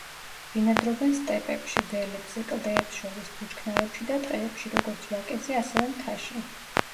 ბინადრობენ სტეპებში, ველებზე, კლდეებს შორის, ბუჩქნარებში და ტყეებში, როგორც ვაკეზე, ასევე მთაში.